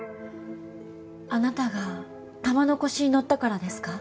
あなたが玉の輿にのったからですか？